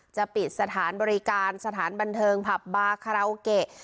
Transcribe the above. จะปิดสถานบริการสถานบันเทิงผับบาคาราโอเกะ